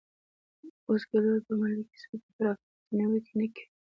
اوس کلیوال په محلي کیسو کې پر افراط نیوکې نه کوي.